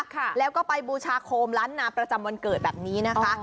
ค่ะแล้วก็ไปบูชาโคมล้านนาประจำวันเกิดแบบนี้นะคะ